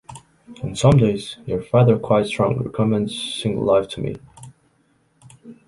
On some days, your father quite strongly recommends single life to me.